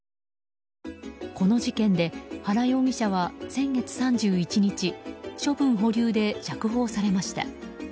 この事件で原容疑者は先月３１日処分保留で釈放されました。